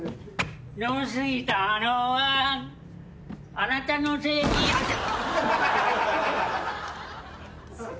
「飲みすぎたのはあなたのせい」あ痛っ。